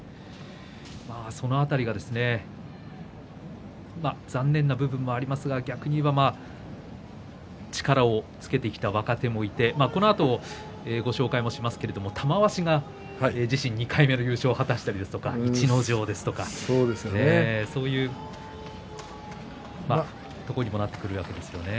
その辺りがですね残念な部分もありますが逆に言えば力をつけてきた若手もいてこのあとご紹介もしますが玉鷲が自身２回目の優勝を果たしたりですとか逸ノ城ですとかそういうところにもなってきますよね。